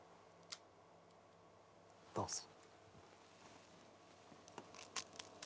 どうぞ。